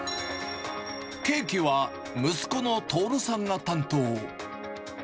ケーキは息子の徹さんが担当。